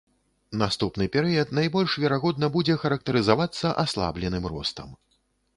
Наступны перыяд, найбольш верагодна, будзе характарызавацца аслабленым ростам.